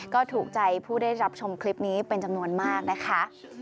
ก็ถูกใจผู้ได้รับชมคลิปนี้เป็นจำนวนมากนะคะ